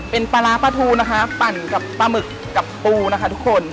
เป็นปลาร้าปลาทูนะคะปั่นกับปลาหมึกกับปูนะคะทุกคน